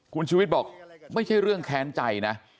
คุณชูวิทย์บอกไม่ใช่เรื่องแค้นใจนะ